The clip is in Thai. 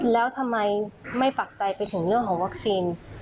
แล้วทำไมไม่ปักใจไปถึงเรื่องของวัคซีน